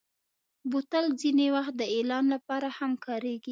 بوتل ځینې وخت د اعلان لپاره هم کارېږي.